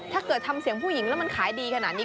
ถ้าเกิดทำเสียงผู้หญิงแล้วมันขายดีขนาดนี้